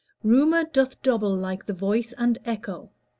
"Rumor doth double like the voice and echo."